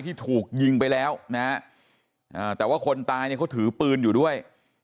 ที่ถูกยิงไปแล้วแต่ว่าคนตายเขาถือปืนอยู่ด้วย